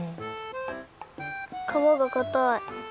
かわがかたい。